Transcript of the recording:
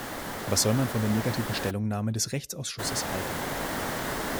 Was soll man von der negativen Stellungnahme des Rechtsausschusses halten?